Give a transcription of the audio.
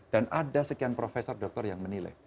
dan ada sekian profesor dokter yang menilai